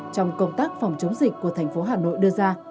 trong công tác phòng chống dịch của thành phố hà nội đưa ra